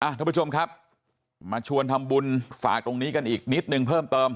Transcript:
ทุกผู้ชมครับมาชวนทำบุญฝากตรงนี้กันอีกนิดนึงเพิ่มเติม